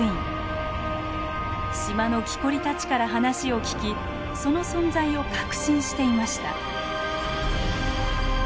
島の木こりたちから話を聞きその存在を確信していました。